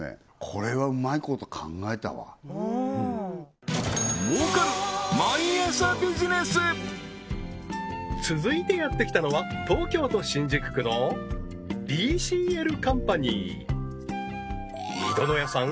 これはうまいこと考えたわ続いてやって来たのは東京都新宿区のＢＣＬカンパニー御殿谷さん